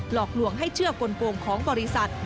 หลอกลวงให้เชื่อกลงของบริษัท